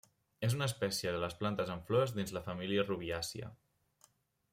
És una espècie de les plantes amb flors dins la família rubiàcia.